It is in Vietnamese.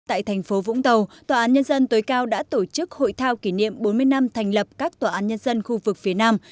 tại thành phố vũng tàu tòa án nhân dân tối cao đã tổ chức hội thao kỷ niệm bốn mươi năm thành lập các tòa án nhân dân khu vực phía nam